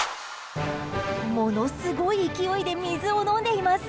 ものすごい勢いで水を飲んでいます。